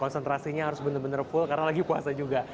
konsentrasinya harus benar benar full karena lagi puasa juga